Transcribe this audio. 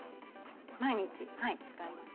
◆毎日、使えます。